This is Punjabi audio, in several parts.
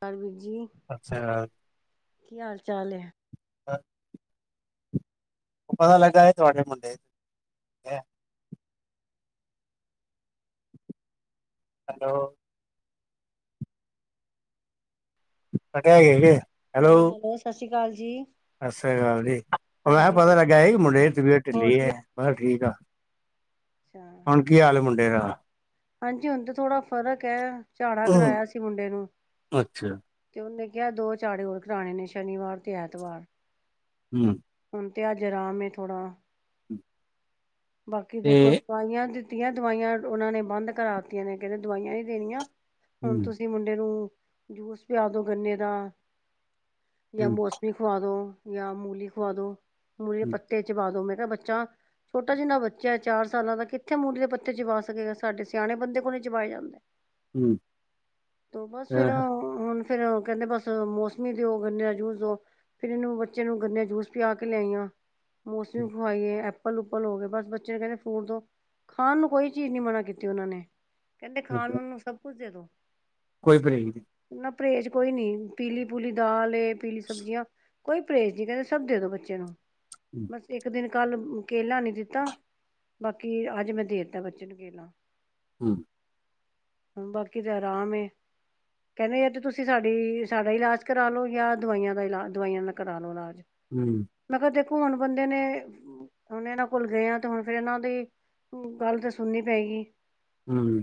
ਕਰਵਰ ਜੀ, ਅੱਛਾ। ਕੀ ਹਾਲ- ਚਾਲ ਹੈ? ਹ ਉਹ ਪਤਾ ਲੱਗਾ ਹੈ ਤੁਹਾਡੇ ਮੁੰਡੇ ਹੈਲੋ ਸੜਗੇ ਨਹੀ, ਹੈਲੋ ਸਤਿ ਸ੍ਰੀ ਅਕਾਲ ਜੀ। ਸਤਿ ਸ੍ਰੀ ਅਕਾਲ ਜੀ, ਮੈਂ ਕਿਹਾ ਹਾਂਜੀ ਪਤਾ ਲੱਗਾ ਇਹ ਮੁੰਡੇ ਤਬੀਅਤ ਹੋਰ ਢਿੱਲੀ ਕੀ ਹੈ ਮ ਕਿਹਾ ਠੀਕ ਆ ਅੱਛਾ ਹੁਣ ਕੀ ਹਾਲ ਮੁੰਡੇ ਦਾ? ਹਾਂਜੀ ਹੁਣ ਤਾਂ ਥੋੜਾ ਫ਼ਰਕ ਹੈ, ਝਾੜਾ ਕਰਾਇਆ ਸੀ ਮੁੰਡੇ ਨੂੰ ਅੱਛਾ ਤੇ ਉਹਨੇ ਕਿਹਾ ਦੋ ਚਾੜੇ ਹੋਰ ਕਰਾਣੇ ਨੇ ਸ਼ਨੀਵਾਰ ਤੇ ਐਤਵਾਰ ਹਮ ਹੁਣ ਤੇ ਅੱਜ ਅਰਾਮ ਥੋੜਾ, ਬਾਕੀ ਦੇਖੋ ਤੇ ਦਵਾਈਆਂ ਦਿੱਤੀਆਂ ਦਵਾਈਆਂ ਉਹਨਾਂ ਨੇ ਬੰਦ ਕਰਾ ਦਿੱਤੀਆਂ ਨੇ ਕਹਿੰਦੇ ਦਵਾਈਆਂ ਨੀ ਦੇਣੀਆਂ ਹੁਣ ਹੂੰ ਤੁਸੀਂ ਮੁੰਡੇ ਨੂੰ ਜੂਸ ਪਿਆ ਦੋ ਗੰਨੇ ਦਾ ਜਾਂ ਹੂੰ ਮੌਸਮੀ ਖੁਆ ਦੋ ਜਾਂ ਮੂਲੀ ਖੁਆ ਦੋ ਮੂਲੀ ਹੂੰ ਪੱਤੇ ਚਬਾ ਦੋ ਮੈਂ ਕਿਹਾ ਬੱਚਾ ਛੋਟਾ ਜਿਨਾ ਬੱਚਾ ਹੈ ਚਾਰ ਸਾਲਾਂ ਦਾ ਕਿੱਥੇ ਮੂਲੀ ਦੇ ਪੱਤੇ ਚਬਵਾ ਸਕੇਗਾ ਸਾਡੇ ਸਿਆਣੇ ਬੰਦੇ ਕੋਲ ਚਬਵਾਏ ਜਾਂਦਾ [inaudible] ਤ ਬਸ ਫਿਰ ਅਹ, ਹੁਣ ਫੇਰ ਕਹਿੰਦੇ ਬਸ ਮੌਸਮੀ ਦਿਓ ਗੰਨੇ ਦਾ ਜੂਸ ਦਓ ਫੇਰ ਇਹਨੂੰ ਬੱਚੇ ਨੂੰ ਗੰਨੇ ਦਾ ਜੂਸ ਪਿਆ ਕੇ ਲਿਆਈਆਂ ਮੌਸਮੀ ਖਵਾਈਏ ਐਪਲ ਉਪਲ ਹੋ ਗਏ ਬਸ ਬੱਚੇ ਨੂੰ ਕਹਿੰਦੇ ਫੂਡ ਦਿੳ, ਖਾਣ ਨੂੰ ਕੋਈ ਚੀਜ਼ ਨੀ ਮਨਾ ਕੀਤੀ ਉਹਨਾਂ ਨੇ ਕਹਿੰਦੇ ਖਾਣ ਅੱਛਾ, ਵਣ ਨੂੰ ਸਭ ਕੁਝ ਦੇ ਦੋ ਕੋਈ ਬੇਕ ਨਹੀਂ ਨਾ ਪਰਹੇਜ਼ ਕੋਈ ਨੀ, ਪੀਲੀ ਪੂਲੀ ਦਾਲ ਪੀਲੀ ਸਬਜ਼ੀਆਂ ਕੋਈ ਪਰਹੇਜ਼ ਨਹੀ ਕਹਿੰਦੇ- ਸਭ ਦੇ ਦੋ ਬੱਚੇ ਨੂੰ ਹਮ ਬਸ ਇੱਕ ਦਿਨ ਕੱਲ ਕੇਲਾ ਨੀ ਦਿੱਤਾ ਬਾਕੀ ਅੱਜ ਮੈਂ ਦੇ ਦਿੱਤਾ ਬੱਚੇ ਨੂੰ ਕੇਲਾ ਹਮ ਹ ਬਾਕੀ ਤੇ ਆਰਾਮ ਕਹਿੰਦੇ ਯਾ ਤਾਂ ਤੁਸੀਂ ਸਾਡੀ ਸਾਡਾ ਇਲਾਜ ਕਰਾ ਲਉ ਜਾਂ ਦਵਾਈਆਂ ਦਾ ਇਲਾਜ ਦਵਾਈਆਂ ਨਾਲ ਕਰਾ ਲਓ ਇਲਾਜ ਹਮ ਮੈਂ ਕਿਹਾ ਦੇਖੋ ਹੁਣ ਬੰਦੇ ਨੇ ਹੁਣ ਇਹਨਾਂ ਕੋਲ ਗਏ ਆ ਤੇ ਹੁਣ ਫਿਰ ਇਹਨਾਂ ਦੀ ਗੱਲ ਤੇ ਸੁਣਨੀ ਪਏਗੀ ਹਮ,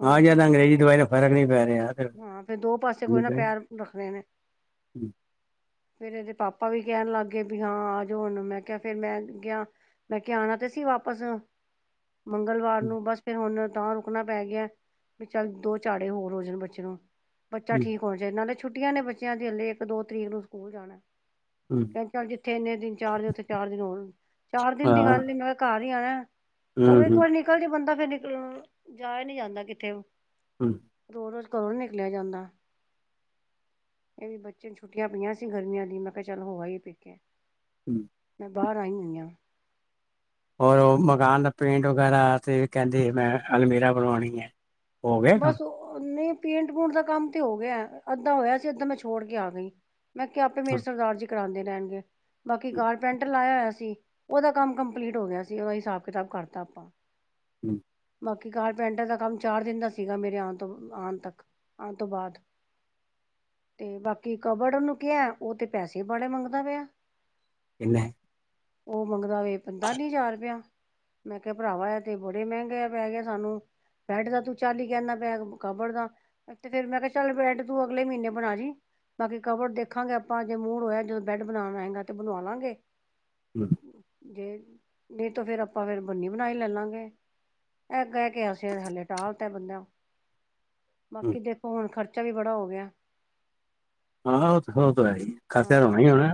ਹੁਣ ਆਹ ਯਦੋ ਅੰਗਰੇਜ਼ੀ ਦਵਾਈ ਤੇ ਫ਼ਰਕ ਨੀ ਪੈ ਰਿਹਾ ਤੇ ਹਾਂ ਫਿਰ ਦੋ ਪਾਸੇ ਕੋਈ ਨਾ ਪੈਰ ਰੱਖਣੇ ਨੇ ਹਮ ਫਿਰ ਇਹਦੇ ਪਾਪਾ ਵੀ ਕਹਿਣ ਲੱਗ ਗਏ ਵੀ ਹਾਂ ਆ ਜਾਓ ਹੁਨ ਮੈਂ ਕਿਹਾ ਫਿਰ ਮੈਂ ਕਿਹਾ ਮੈ ਕਿਹਾ ਆਉਣਾ ਤੇ ਸੀ ਵਾਪਸ ਮੰਗਲਵਾਰ ਹੂੰ, ਨੂੰ ਬਸ ਫਿਰ ਹੁਣ ਤਾਂ ਰੁਕਣਾ ਪੈ ਗਿਆ, ਵੀ ਚੱਲ ਦੋ ਝਾੜੇ ਹੋਰ ਹੋ ਜਾਣ ਬੱਚੇ ਚਲੋ, ਬੱਚਾ ਹੂੰ, ਠੀਕ ਹੋਣਾ ਚਾਹੀਦਾ ਨਾਲੇ ਛੁੱਟੀਆਂ ਨੇ ਬੱਚਿਆਂ ਦੀ ਹਲੇ ਇੱਕ ਦੋ ਤਰੀਕ ਨੂੰ ਸਕੂਲ ਜਾਣਾ ਹੂੰ, ਕਹਿੰਦੇ ਚੱਲ ਜਿੱਥੇ ਇੰਨੇ ਦਿਨ ਚਾਰ ਦਿ ਉੱਥੇ ਚਾਰ ਦਿਨ ਹੋਣ ਚਾਰ ਦਿਨ ਦੀ ਹਾਂ ਗੱਲ ਨ ਮੈਂ ਕਿਹਾ ਘਰ ਹੀ ਆਣਾ, ਹੂੰ ਘਰੋਂ ਇੱਕ ਹੂੰ ਵਾਰੀ ਨਿਕਲ ਜਾ ਬੰਦਾ ਫਿਰ ਨਿਕਲਣ ਜਾਇਆ ਨਈ ਜਾਂਦਾ ਕਿੱਥੇ ਹਮ ਰੋਜ਼ ਰੋਜ਼ ਘਰੋ ਨ ਨਿਕਲਿਆ ਜਾਂਦਾ ਇਹ ਵੀ ਬੱਚੇ ਨੂੰ ਛੁੱਟ ਪਈਆਂ ਸੀ ਗਰਮੀਆਂ ਦੀ ਮੈਂ ਕਿਹਾ ਚੱਲ ਹੋ ਆਈ ਪੇਕੇ ਹਮ ਮੈਂ ਬਾਹਰ ਆਈ ਹੋਈ ਆਂ। ਔਰ ਉਹ ਮਕਾਨ ਦਾ ਪੇਂਟ ਵਗੈਰਾ ਤੇ ਕਹਿੰਦੇ ਸੀ ਮੈਂ ਅਲਮੀਰਾ ਬਣਵਾਉਣੀ ਹੈ। ਹੋ ਗਿਆ ਕੰਮ ਬਸ ਨਹੀਂ ਪੇਂਟ ਪੂਟ ਦਾ ਕੰਮ ਤੇ ਹੋ ਗਿਆ ਅੱਧਾਂ ਹੋਇਆ ਸੀ ਅੱਦਾਂ ਮੈਂ ਛੋੜ ਕੇ ਆ ਗਈ ਮੈਂ ਕਿਹਾ ਆਪੇ ਮੇਰੇ ਸਰਦਾਰ ਜੀ ਕਰਾਉਂਦੇ ਰਹਿਣਗੇ ਬਾਕੀ ਕਾਰ ਪੈਂਟਰ ਲਾਇਆ ਹੋਇਆ ਸੀ ਉਹਦਾ ਕੰਮ ਕੰਪਲੀਟ ਹੋ ਗਿਆ ਸੀ। ਉਹਦਾ ਹਿਸਾਬ ਕਿਤਾਬ ਕਰਤਾ ਆਪਾਂ ਹਮ ਬਾਕੀ ਕਾਰਪੈਂਟ ਦਾ ਕੰਮ ਚਾਰ ਦਿਨ ਦਾ ਸੀਗਾ ਮੇਰੇ ਆਉਣ ਤੋਂ ਆਉਣ ਤੱਕ ਆਉਣ ਤੋਂ ਬਾਅਦ ਤੇ ਬਾਕੀ ਕਬੜ ਨੂੰ ਕਿਹਾ ਉਹ ਤੇ ਪੈਸੇ ਹੀ ਬੜੇ ਮੰਗਦਾ ਪਿਆ ਕਿਨੇ ਉਹ ਮੰਗਦਾ ਵਵੇ ਪੰਤਾਲੀ ਹਜ਼ਾਰ ਰੁਪਇਆ ਮੈਂ ਕਿਹਾ, ਭਰਾਵਾ ਆ ਤੇ ਬੜੇ ਮਹਿੰਗੇ ਆ ਪੈ ਗਿਆ ਸਾਨੂੰ ਬੈਡ ਦਾ ਤੂੰ- ਚਾਲੀ ਕਹਿੰਦਾ ਪਿਆ ਕਬੜ ਦਾ ਤੇ ਫਿਰ ਮੈਂ ਕਿਹਾ ਚੱਲ ਬ੍ਰੈਡ ਤੂੰ ਅਗਲੇ ਮਹੀਨੇ ਬਣਾ ਜੀ ਬਾਕੀ ਕਬਟ ਦੇਖਾਂਗੇ ਆਪਾਂ ਜੇ ਮੂੜ ਹੋਇਆ ਜਦੋਂ ਬੈੱਡ ਬਣਾਣ ਆਇਆ ਤੇ ਬਣਵਾ ਲਾਂਗੇ ਜੇ ਨਹੀਂ ਤਾਂ ਫਿਰ ਆਪਾਂ ਫਿਰ ਬੰਨੀ ਬਣਾਈ ਲੈ ਲਾਂਗੇ [inaudible] ਇਹ ਬੰਦਾ ਬਾਕੀ ਦੇਖੋ ਹੁਣ ਖਰਚਾ ਵੀ ਬੜਾ ਹੋ ਗਿਆ ਹਾ ਹਾ ਓ ਤੇ ਹੈ ਹੀ ਖਰਚਾ ਹੋਣਾ ਹਾਂ, ਹੀ ਹੋਣਾ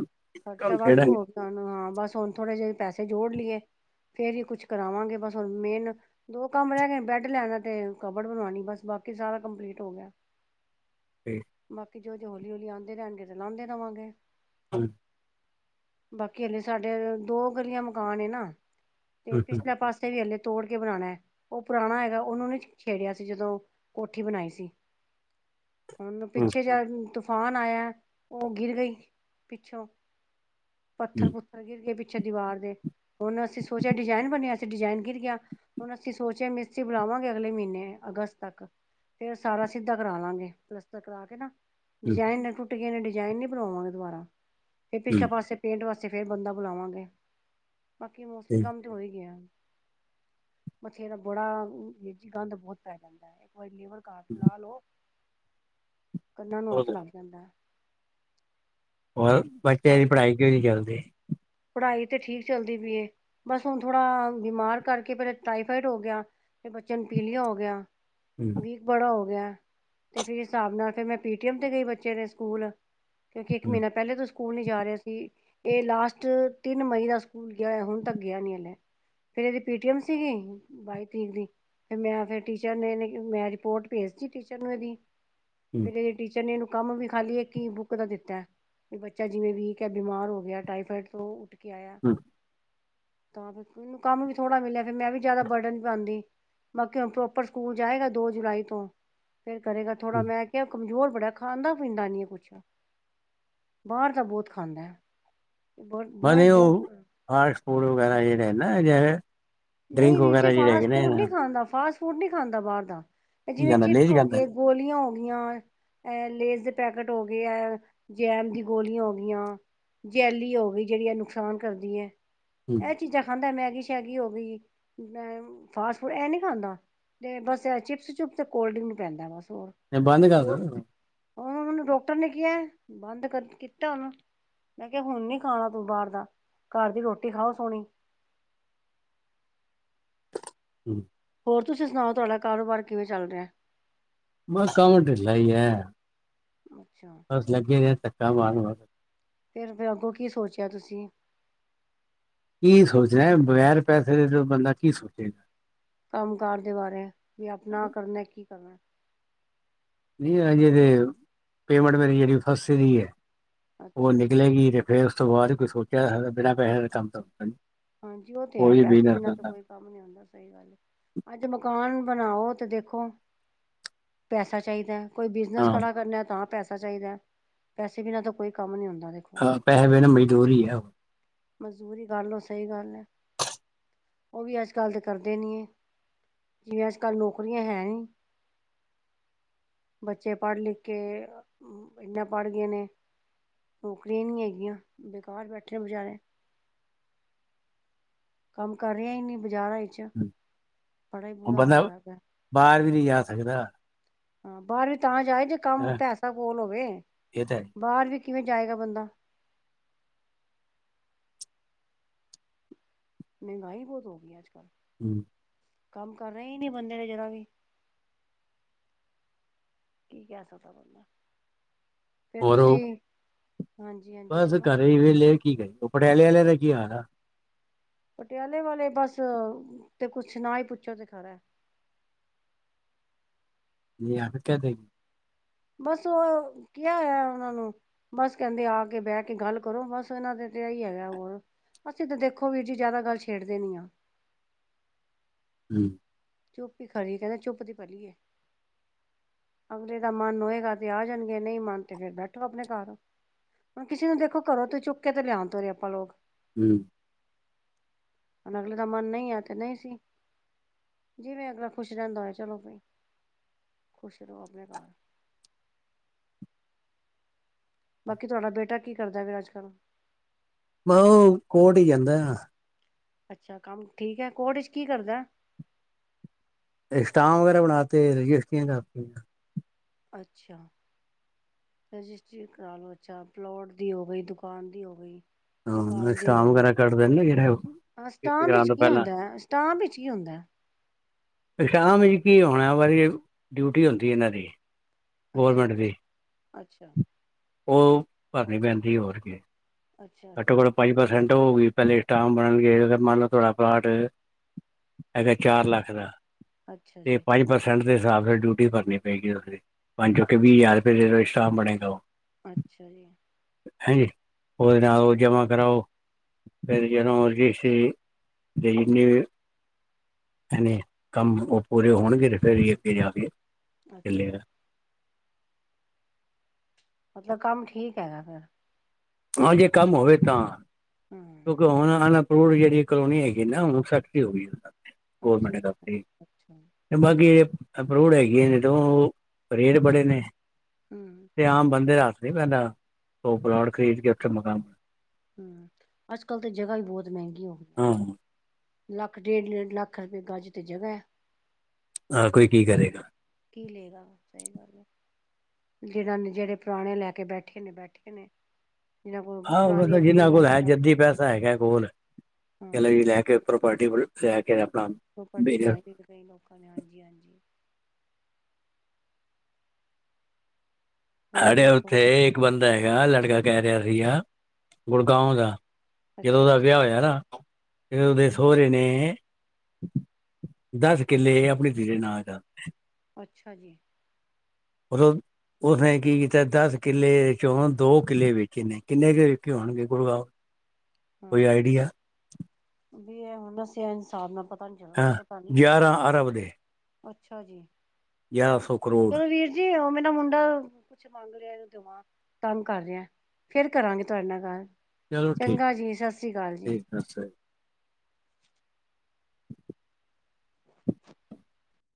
ਕੰਮ ਖਰਚਾ ਵਾਧੂ ਖੇਡਾਂਗੇ ਹੋ ਗਿਆ ਹਾਂ ਬਸ ਹੁਣ ਥੋੜੇ ਜਿਹੇ ਪੈਸੇ ਜੋੜ ਲਈਏ ਫੇਰ ਹੀ ਕੁਛ ਕਰਾਵਾਂਗੇ ਬਸ ਹੁਣ ਮੇਨ ਦੋ ਕੰਮ ਰਹਿ ਗਏ ਬੈਡ ਲੈਨੇ ਤੇ ਕਬਟ ਬਣਵਾਉਣੀ ਬਸ ਬਾਕੀ ਸਾਰਾ ਕੰਪਲੀਟ ਹੋ ਗਿਆ ਬਾਕੀ ਜੋ ਜੇ ਹੌਲੀ- ਹੌਲੀ ਆਉਂਦੇ ਰਹਿਣਗੇ ਤਾਂ ਲਾਉਂਦੇ ਰਵਾਂਗੇ ਹਾਂਜੀ ਬਾਕੀ ਹਾਲੇ ਸਾਡੇ ਦੋ ਗਲੀਆਂ ਮਕਾਨ ਨੇ ਨਾ ਤੇ ਪਿਛਲੇ ਪਾਸੇ ਤੇ ਹਲੇ ਤੋੜ ਕੇ ਬਣਾਉਣਾ ਹੈ। ਉਹ ਪੁਰਾਣਾ ਹੈਗਾ ਉਹਨੂੰ ਨੀ ਛੇੜਿਆ ਸੀ ਜਦੋਂ ਕੋਠੀ ਬਣਾਈ ਸੀ। ਹੁਣ ਪਿੱਛੇ ਤੂਫਾਨ ਆਇਆ ਉਹ ਗਿਰ ਗਈ ਪਿੱਛੋਂ ਪੱਥਰ ਪੁੱਥਰ ਗਿਰ ਗਏ ਪਿੱਛੇ ਦੀਵਾਰ ਦੇ ਉਹੁ ਨੂੰ ਅਸੀਂ ਸੋਚਿਆ ਡਿਜ਼ਾਇਨ ਬਣਿਆ ਸੀ ਡਿਜ਼ਾਇਨ ਗਿਰ ਗਿਆ ਹੁਣ ਅਸੀਂ ਸੋਚਿਆ ਮਿਸਤਰੀ ਬੁਲਾਵਾਂਗੇ ਅਗਲੇ ਮਹੀਨੇ ਅਗਸਤ ਤੱਕ ਫਿਰ ਸਾਰਾ ਸਿੱਧਾ ਕਰਾ ਲਾਂਗੇ ਪਲਸਤਰ ਕਰਾ ਕੇ ਨਾ ਡਿਜ਼ਾਇਨ ਟੁੱਟ ਗਏ ਨੇ ਡਿਜ਼ਾਇਨ ਨਈ ਬਣਾਵਾਵਾਂਗੇ ਦੁਬਾਰਾ ਫਿਰ ਪਿਛਲੇ ਪਾਸੇ ਪੇਂਟ ਵਾਸਤੇ ਫਿਰ ਬੰਦਾ ਬੁਲਾਵਾਂਗੇ ਬਾਕੀ ਮੋਸਟਲੀ ਕੰਮ ਤਾਂ ਹੋ ਹੀ ਗਿਆ ਬਤੇਰਾ ਬਡਾ ਵਿਚ ਗੰਦ ਬਹੁਤ ਪੈ ਜਾਂਦਾ ਹੈ ਇੱਕ ਵਾਰੀ ਲੇਬਰ ਘਰ ਲਾਹ ਲੋ ਕੰਨਾਂ ਨੂੰ ਹੱਥ ਲੱਗ ਜਾਂਦਾ ਉਹ ਬੱਚੇ ਆ ਦੀ ਪੜ੍ਹਾਈ ਕੇਹੂ ਜੀ ਚੱਲਦੀ ਪੜ੍ਹਾਈ ਤੇ ਠੀਕ ਚੱਲਦੀ ਪਈਏ ਬਸ ਹੁਣ ਥੋੜ੍ਹਾ ਬਿਮਾਰ ਕਰਕੇ ਫਿਰ ਟਾਈਫਾਈਡ ਹੋ ਗਿਆ ਫਿਰ ਬੱਚੇ ਨੂੰ ਪੀਲਿਆ ਹੋ ਗਿਆ ਹਮ ਵੀਕ ਬੜਾ ਹੋ ਗਿਆ, ਤੇ ਫਿਰ ਹਿਸਾਬ ਨਾਲ ਫਿਰ ਮੈਂ ਪੀਟੀਐਮ ਤੇ ਗਈ ਬੱਚੇ ਦੇ ਸਕੂਲ। ਕਿਉਂਕਿ ਇੱਕ ਮਹੀਨਾ ਪਹਿਲੇ ਤੋਂ ਸਕੂਲ ਨੀ ਜਾ ਰਿਹਾ ਸੀ, ਇਹ ਲਾਸਟ ਤਿੰਨ ਮਈ ਦਾ ਸਕੂਲ ਗਿਆ ਹੁਣ ਤੱਕ ਗਿਆ ਨੀ ਹਲੇ। ਫਿਰ ਇਹਦੀ ਪੀਟੀਐਮ ਸੀਗੀ ਬਾਈ ਤਰੀਕ ਦੀ। ਫੇਰ ਮੈਂ ਫਿਰ ਟੀਚਰ ਨੂੰ ਮੈਂ ਰਿਪੋਰਟ ਭੇਜਤੀ ਟੀਚਰ ਨੂੰ ਇਹਦੀ ਫਿਰ ਇਹ ਟੀਚਰ ਨੇ ਇਹਨੂੰ ਕੰਮ ਵੀ ਖਾਲੀ ਇੱਕ ਈ ਬੁੱਕ ਦਾ ਦਿੱਤਾ ਵੀ ਬੱਚਾ ਜਿਵੇਂ ਵੀਕ ਹੈ ਬਿਮਾਰ ਹੋ ਗਿਆ ਟਾਈਫਾਇਡ ਤੋਂ ਉੱਠ ਕੇ ਆਇਆ। ਤਾਂ ਫਿਰ ਮੈਨੂੰ ਕੰਮ ਵੀ ਥੋੜ੍ਹਾ ਮਿਲਿਆ ਫਿਰ ਮੈਂ ਵੀ ਜਿਆਦਾ ਬਰਡਨ ਪਾਉਂਦੀ। ਬਾਕੀ ਹੁਣ ਪ੍ਰੋਪਰ ਸਕੂਲ ਜਾਏਗਾ ਦੋ ਜੁਲਾਈ ਤੋਂ ਫਿਰ ਕਰੇਗਾ ਥੋੜਾ ਮੈਂ ਕਿਹਾ ਕਮਜ਼ੋਰ ਬੜਾ ਖਾਂਦਾ ਪੀਂਦਾ ਨਹੀਂ ਕੁਛ ਬਾਹਰ ਦਾ ਬਹੁਤ ਖਾਂਦਾ। ਬਹੁਤ ਉਹ ਬਹੁਤ ਫਾਸਟ ਫੂਡ ਵਗੈਰਾ ਜਿਹੜੇ ਨਾ ਅਜਿਹੇ। ਨਹੀਂ ਵੀਰ ਜੀ ਫਾਸਟ ਫੂਡ ਨਹੀਂ ਖਾਂਦਾ ਫਾਸਟ ਫੂਡ ਨਹੀਂ ਖਾਂਦਾ ਬਾਹਰ ਦਾ ਜਿਵੇਂ ਕਹਿੰਦਾ ਚਿਪਸ ਲੇਜ ਹੋ ਕਹਿੰਦਾ ਗਏ ਗੋਲੀਆਂ ਹੋ ਗਈਆਂ ਅ ਲੇਸ ਦੇ ਪੈਕੇਟ ਹੋ ਗਏ ਹੈ ਜੈਮ ਦੀ ਗੋਲੀਆਂ ਹੋ ਗਈਆਂ ਜੈਲੀ ਹੋ ਗਈ ਜਿਹੜੀ ਆ ਨੁਕਸਾਨ ਕਰਦੀ ਹੈ, ਇਹ ਚੀਜ਼ਾਂ ਖਾਂਦਾ ਮੈਗੀ ਸ਼ੈਗੀ ਹੋ ਗਈ। ਮੈਂ ਫਾਸਟ ਫੂਡ ਇਹ ਨਹੀਂ ਖਾਂਦਾ। ਅਤੇ ਬਸ ਚਿਪਸ ਚੁਪ ਅਤੇ ਕੋਲਡ ਡਰਿੰਕ ਨੂੰ ਪੈਂਦਾ ਬਸ ਹੋਰ ਬੰਦ ਕਰਦਾ। ਉਹਣ ਮਨੂੰ ਡਾਕਟਰ ਨੇ ਕਿਹਾ ਬੰਦ ਕੀਤਾ ਉਹਨੂੰ ਮੈਂ ਕਿਹਾ ਹੁਣ ਨੀ ਖਾਣਾ ਤੂੰ ਬਾਹਰ ਦਾ, ਘਰ ਦੀ ਰੋਟੀ ਖਾਓ ਸੋਹਣੀ। [unintelligible] ਹੋਰ ਤੁਸੀਂ ਸੁਣਾਓ, ਤੁਹਾਡਾ ਕਾਰੋਬਾਰ ਕਿਵੇਂ ਚੱਲ ਰਿਹਾ? ਬਸ ਕਮ ਟਿਲਾ ਈ ਐ। ਅੱਛਾ। ਬਸ ਲੱਗੇ ਨੇ ਧੱਕਾ ਮਾਰ ਵਸ। ਫਿਰ, ਫਿਰ ਅੱਗੋਂ ਕੀ ਸੋਚਿਆ ਤੁਸੀਂ? ਕੀ ਸੋਚਣਾ, ਬਗੈਰ ਪੈਸੇ ਦੇ ਬੰਦਾ ਕੀ ਸੋਚੇਗਾ। ਕੰਮ ਕਾਰ ਦੇ ਬਾਰੇ ਵੀ ਆਪਣਾ ਕਰਨਾ ਕੀ ਕਰਨਾ। ਨਹੀਂ ਹਜੇ ਪੇਮੈਂਟ ਮੇਰੀ ਜਿਹੜ ਫਸੀ ਦੀ ਉਹ ਅੱਛਾ ਨਿਕਲੇਗੀ ਫੇਰ ਉਸ ਤੋਂ ਬਾਅਦ ਕੋਈ ਸੋਚਿਆ ਬਿਨਾਂ ਪੈਸੇ ਕੰਮ। ਹਾਂਜੀ ਉਹ ਤੇ ਹੈ, ਕੋਈ ਪੈਸੇ ਬਿਜ਼ਨਸ ਬਿਨਾਂ ਤਾਂ ਕਰਦਾ ਕੋਈ ਆਦਾ ਸਹੀ ਗੱਲ ਐ, ਅੱਜ ਮਕਾਨ ਬਣਾਓ ਤੇ ਦੇਖੋ ਪੈਸਾ ਚਾਹੀਦਾ। ਈ ਬਿਜ਼ਨਸ ਖੜਾ ਕਰਨਾ ਤਾਂ ਪੈਸਾ ਚਾਹੀਦਾ, ਪੈਸੇ ਬਿਨਾਂ ਤਾਂ ਕੋਈ ਕੰਮ ਨਹੀਂ ਹੁੰਦਾ। ਦੇਖੋ ਹਾਂ ਪੈਸੇ ਬਿਨਾਂ ਮਜ਼ਦੂਰ ਹੀ ਹੈ। ਮਜ਼ਦੂਰੀ ਕਰਓ, ਸਹੀ ਗੱਲ ਹੈ। ਉਹ ਵੀ ਅੱਜ-ਕੱਲ੍ਹ ਦੇ ਕਰਦੇ ਨੀ। ਜਿਵੇਂ ਅੱਜ, ਕੱਲ੍ਹ ਨੌਕਰੀਆਂ ਹੈ ਨੀ। ਬੱਚੇ ਪੜ੍ਹ ਲਿਖ ਕੇ, ਇਨਾ ਪੜ੍ਹ ਗਏ ਨੇ। ਨੌਕਰੀਆਂ ਨਹੀਂ ਹੈਗੀਆਂ, ਬੇਕਾਰ ਬੈਠੇ ਬਚਾਰੇ। ਕੰਮ ਕਰ ਰਿਹਾ ਹੀ, ਨੀ ਬਾਜ਼ਾਰਾਂ ਚ ਬੜਾ ਹੀ ਬੁਰਾ ਹਾਲ ਬੰਦਾ ਹੋਇਆ ਪਿਆ। ਬਾਹਰ ਵੀ ਨਹੀਂ ਜਾ ਸਕਦਾ। ਹਾਂ ਬਾਹਰ ਵੀ ਤਾਂ ਜਾਏ ਜੇ ਕੰਮ ਹੈਂ ਪੈਸਾ ਕੋਲ ਹੋਵੇ, ਇਹ ਤਾਂ ਹੈ ਬਾਹਰ ਵੀ ਕਿਵੇਂ ਜਾਏਗਾ ਬੰਦਾ। ਮਹਿੰਗਾਈ ਬਹੁਤ ਹੋ ਗਈ, ਅੱਜ-ਕੱਲ੍ਹ। [unintelligible] ਕੰਮ ਕਰ ਰਹੇ ਹੀ ਨਹੀਂ ਬੰਦੇ ਨੇ ਜਰਾ ਵੀ। ਕੀ ਕਹਿ ਸਕਦਾ, ਫੇਰ ਔਰ ਉਹ ਤੁਸੀਂ ਹਾਂਜੀ ਹਾਂ। ਬਸ ਘਰੇ ਹੀ ਵੇਲੇ ਕੀ ਕਰੀਏ, ਪਟਿਆਲੇ ਵਾਲੇ ਦਾ ਕੀ ਹਾਲ ਆ। ਪਟਿਆਲੇ ਵਾਲੇ ਬਸ ਤੇ ਕੁੱਛ ਨੀ ਹੀ ਪੁੱਛੋ ਤੇ ਫੇਦਾ, [unintelligible] ਬਸ ਉਹ ਕੀ ਹੋਇਆ, ਉਹਨਾਂ ਨੂੰ ਬਸ ਕਹਿੰਦੇ ਆ ਕੇ ਬਹਿ ਕੇ ਗੱਲ ਕਰੋ, ਬਸ ਇਹਨਾਂ ਦੇ ਤੇ ਹੀ ਹੈਗਾ ਹੋਣ ਅਸੀਂ ਤਾਂ ਦੇਖੋ ਵੀਰ ਜੀ ਜ਼ਿਆਦਾ ਗੱਲ ਛੇੜਦੇ ਨੀ ਆ। [unintelligible] ਚੁੱਪ ਹੀ ਖੜੀ ਹੈ, ਕਹਿੰਦਾ ਚੁੱਪ ਦੀ ਪਲੀਏ, ਅਗਲੇ ਦਾ ਮਨ ਹੋਏਗਾ, ਤੇ ਆ ਜਾਣਗੇ ਨਹੀਂ ਮਨ ਤੇ ਫਿਰ ਬੈਠੋ ਆਪਣੇ ਘਰ। ਹੁਣ ਕਿਸੇ ਨੂੰ ਦੇਖੋ ਕਰੋ ਤੂੰ ਚੁੱਕ ਕੇ ਤੇ ਲਿਆਦਾ, ਆਪਾਂ ਲੋਕ ਹੂੰ, ਹੁਣ ਅਗਲੇ ਦਾ ਮਨ ਨਹੀਂ, ਆ ਤੇ ਨਹੀਂ ਸੀ। ਜਿਵੇਂ ਅਗਲਾ ਖੁਸ਼ ਰਹਿੰਦਾ ਹੋਆ ਚਲੋ ਬ ਖੁਸ਼ ਰਹੋ ਆਪਣੇ ਘਰ। ਬਾਕੀ ਤੁਹਾਡਾ ਬੇਟਾ ਕੀ ਕਰਦਾ ਫਿਰ ਅੱਜ ਕੱਲ੍ਹ? ਮ ਉਹ ਕੋਰਟ ਹੀ ਜਾਂਦਾ ਆ। ਅੱਛਾ ਕੰਮ ਠੀਕ ਹੈ, ਕੋਰਟ ਚ ਕੀ ਕਰਦਾ ਸਟਾਮ ਵਗੈਰਾ ਬਣਾਤੇ, ਰਜਿਸਟਰੀਆਂ ਕਰਤੀਆਂ ਅੱਛਾ। ਰਜਿਸਟਰੀ ਕਰਾ ਲੋ ਅੱਛਾ, ਪਲੋਟ ਦੀ ਹੋ ਗਈ, ਦੁਕਾਨ ਦੀ ਹੋਵੇਈ ਹਾਂ ਮਕਾਨ ਦੀ ਹੋ ਵਿਸ਼ਰਾਮ ਗਈ, ਵਗੈਰਾ ਕੱਢਦੇ ਨੇ ਨਾ ਜਿਹੜੇ ਹਾਂ ਸਟਾਮ ਇਗਜ਼ਾਮ ਵਿੱਚ ਤੋਂ ਕੀ ਪਹਿਲਾਂ ਹੁੰਦਾ, ਸਟਾਮ ਵਿੱਚ ਕੀ ਹੁੰਦਾ ਸਟਾਮ ਚ ਕੀ ਹੋਣਾ ਵਾਰੀ ਡਿਊਟੀ ਹੁੰਦੀ ਇਹਨਾਂ ਦੀ ਅੱਛਾ ਗੌਰੌਰਮੈਂਟ ਦੀ, ਅੱਛਾ ਉਹ ਭਰਨੀ ਪੈਂਦੀ ਹੋਰ ਕਿ ਅੱਛਾ ਅੱਛਾ ਘੱਟੋ-ਘੱਟ ਪੰਜ ਪਰਸੈਂਟ ਹੋਗੀਈ ਪਹਿਲੇ ਸਟਾਂਮ ਬਣਾਉਣਗੇ ਫ ਮੰਨ ਲਓ ਤੁਹਾਡਾ ਪਲਾਟ ਹੈਗਾ ਚਾਰ ਲੱਖ ਦਾ, ਅੱਛਾ ਤੇ ਜੀ ਪੰਜ ਪਰਸ ਪਰਸੈਂਟ ਦੇ ਹਿਸਾਬ ਨਾਲ ਡਿਊਟੀ ਭਰਨੀ ਪਏਗੀ ਉਸਦੀ, ਪੰਜ ਜੋ ਕਿ ਵੀਹ ਹਜ਼ਾਰ ਰੁਪਏ ਦੇਦੋਂ ਸਟਫ ਬਣੇਗਾ ਉਹ ਅੱਛਾ ਜੀ ਹਾਂਜੀ ਨਾਲ ਉਹ ਜਮਾ ਕਰਾਓ ਫਿਰ ਜਨ ਵ ਜ ਸੀਨੀ ਹਨੇ ਕੰਮ ਉਹ ਪੂਰੇ ਹੋਣਗੇ ਤੇ ਫਿਰ ਅੱਗੇ ਜਾ ਕੇ ਅੱਛਾ ਜੀ। ਚੱਲੇਗਾ ਮਤਲਬ ਕੰਮ ਠੀਕ ਹੈਗਾ ਫਿਰ ਹਾਂ ਜੇ ਕੰਮ ਹੋਵੇ ਤਾਂ ਹਮ ਕਿਉਂਕਿ ਹੁਣ ਅਨਪੂਵਡ ਜਿਹੜੀ ਕਲੋਨੀ ਹੈਗੀ ਨਾ ਸਖਤੀ ਹੋ ਗਈ। ਗੌਰਮੈਂਟ ਅੱਛਾ ਦਫ਼ ਹੀ ਅੱਛਾ ਬਾਕੀ ਅਪਰੂਵਡ ਹੈਗੀ ਆ ਜਦੋਂ ਉਹ ਰੇਟ ਬੜੇ ਨੇ ਹਮ ਤੇ ਆਮ ਬੰਦੇ ਹੱਥ ਨਹੀ ਪੈਂਦਾ ਉਹ ਪਲੋਟ ਖਰੀਦ ਕੇ ਉੱਥੇ ਮਕਾਨ ਹਮ ਅੱਜ ਕੱਲ੍ਹ ਤਾਂ ਜਗ੍ਹਾ ਹੀ ਬਹੁਤ ਮਹਿੰਗੀ ਹੋ ਗਈਆਂ ਹਾਂ ਲੱਖ ਡੇਢ ਡੇਢ ਲੱਖ ਰੁਪਏ ਗੱਜ ਅਤੇ ਜਗ੍ਹਾ ਹੈ ਆਹ ਕੋਈ ਕੀ ਕਰੇਗਾ ਕੀ ਲਏਗਾ ਸਹੀ ਗੱਲ ਆ ਜਿਹੜ ਜਿਹੜੇ ਪੁਰਾਣੇ ਲੈ ਕੇ ਬੈਠੇ ਨੇ ਬੈਠੇ ਨੇ ਜਿਹਨਾਂ ਕੋਲ ਆਹੋ ਮਲ ਪੁਰਾਣੀਆਂ ਜਿਹਨਾਂ ਜ਼ਮੀਨਾਂ ਕੋਲ ਹੈ ਜਾਇਦਾਦ ਜੱਦੀ ਹੈਗੀਆਂ ਨੇ। ਪੈਸਾ ਹੈਗਾ ਕੋਲ, ਚਲੋ ਹਾਂ, ਜੀ ਲੈ ਕੇ ਪ੍ਰੋਪਰਟੀ ਵ ਲੈ ਕੇ ਆਪਣਾ ਪ੍ਰੋਪਰਟੀ ਬਣਾਈ ਪਈ ਕਈ ਲੋਕਾਂ ਨੇ ਹਾਂਜੀ- ਹਾਂਜੀ ਹੋਰ ਸਾਡੇ ਦੱਸੋ, ਉੱਥੇ ਇੱਕ ਬੰਦਾ ਹੈਗਾ ਲੜਕਾ ਕਹਿ ਰਿਹਾ ਸੀਗਾ ਗੁੜਗਾਉ ਦਾ ਜਦੋਂ ਅੱਛਾ ਉਹਦਾ ਜੀ, ਵਿਆਹ ਹੋਇਆ ਨਾ ਫੇਰ ਉਹਦੇ ਸਹੁਰੇ ਨੇ। ਦੱਸ ਕਿੱਲੇ ਆਪਣੇ ਧੀ ਦੇ ਨਾਂ ਕਰਕੇ। ਅੱਛਾ ਜੀ। ਹੋਰ। ਉਸਨੇ ਕੀ ਕੀਤਾ ਦਸ ਕਿੱਲੇ ਚੋਂ ਦੋ ਕਿੱਲੇ ਵੇਚੇ ਨੇ, ਕਿੰਨੇ ਕੁ ਦੇ ਵੇਚੇ ਹੋਣਗੇ। ਕੋਈ ਆਈਡੀਆ। ਵਧੀਆ ਬਸ ਇੰਝ ਸਾਬ ਨਾਲ ਪਤਾ। ਨੀ ਚੱਲ ਹਾਂ, ਪਤਾ ਨੀ, ਗਿਆਰਾਂ ਆਰਾਂ ਵਜੇ। ਅੱਛਾ ਜੀ। ਗਿਆਰਾਂ ਸੌ ਕਰੋੜ। ਚਲੋ ਵੀਰ ਜੀ ਉਹ ਮੇਰਾ ਮੁੰਡਾ, ਕੁਛ ਮੰਗ ਰਿਹਾ ਹੈ। ਤੰਗ ਕਰ ਰਿਹਾ, ਫੇਰ ਕਰਾਂਗੇ ਤੁਹਾਡੇ ਨਾਲ ਗੱਲ। ਚਲੋ ਠੀਕ, ਚੰਗਾ ਜੀ ਸਤਿ ਸ੍ਰੀ ਅਕਾਲ ਜੀ। ਠੀਕ ਅੱਛਾ ਜੀ